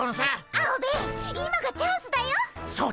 アオベエ今がチャンスだよっ。